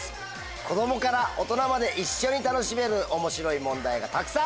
子供から大人まで一緒に楽しめる面白い問題がたくさん！